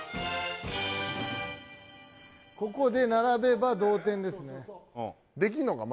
ここで並べば同点ですねできんのか？